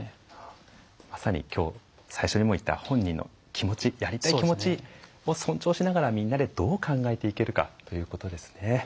まさに今日最初にも言った本人の気持ちやりたい気持ちを尊重しながらみんなでどう考えていけるかということですね。